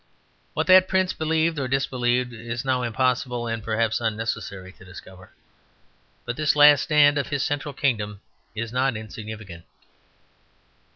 What that prince believed or disbelieved it is now impossible and perhaps unnecessary to discover; but this last stand of his central kingdom is not insignificant.